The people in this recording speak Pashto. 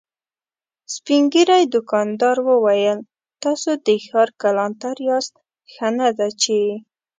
سپين ږيری دوکاندار وويل: تاسو د ښار کلانتر ياست، ښه نه ده چې…